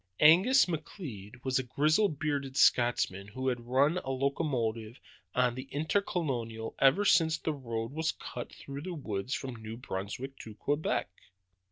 Angus McLeod was a grizzle bearded Scotchman who had run a locomotive on the Intercolonial ever since the road was cut through the woods from New Brunswick to Quebec.